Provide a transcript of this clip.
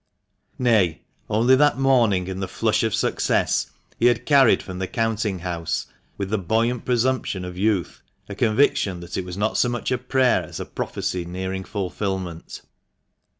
Nay, only that morning, in the flush of success he had carried from the counting house, with the buoyant presumption of youth, a conviction that it was not so much a prayer as a prophecy nearing fulfilment.